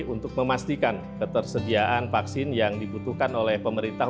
untuk memastikan ketersediaan vaksin yang dibutuhkan oleh pemerintah